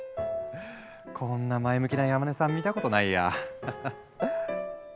こんな前向きな山根さん見たことないや。